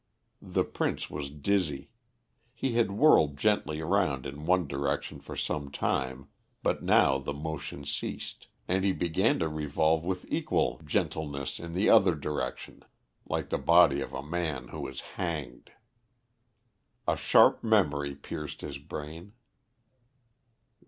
The Prince was dizzy. He had whirled gently around in one direction for some time, but now the motion ceased, and he began to revolve with equal gentleness in the other direction, like the body of a man who is hanged. A sharp memory pierced his brain.